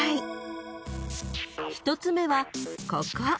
［１つ目はここ］